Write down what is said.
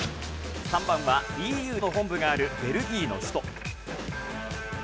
３番はＥＵの本部があるベルギーの首都。